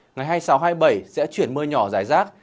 ngày hai mươi sáu hai mươi bảy sẽ chuyển mưa nhỏ rải rác